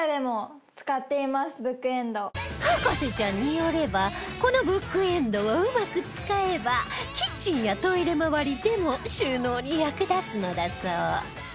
博士ちゃんによればこのブックエンドをうまく使えばキッチンやトイレ回りでも収納に役立つのだそう